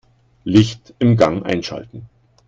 Licht im Gang einschalten.